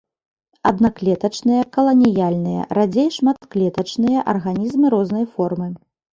Аднаклетачныя, каланіяльныя, радзей шматклетачныя арганізмы рознай формы.